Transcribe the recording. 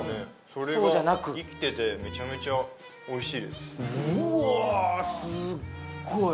それが生きててめちゃめちゃおいしいですうわ